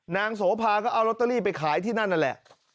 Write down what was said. โสภาก็เอาลอตเตอรี่ไปขายที่นั่นนั่นแหละ